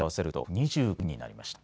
２時になりました。